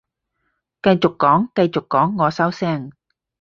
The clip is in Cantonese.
繼續講繼續講，我收聲